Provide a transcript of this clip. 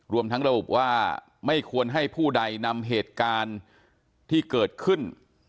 รวมทั้งระบุว่าไม่ควรให้ผู้ใดนำเหตุการณ์ที่เกิดขึ้น